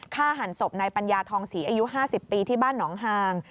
ฆ่าหันศพนายปัญญาทองศรีอายุ๕๐ปีที่บ้านหนองหาง